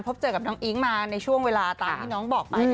พบเจอกับน้องอิ๊งมาในช่วงเวลาตามที่น้องบอกไป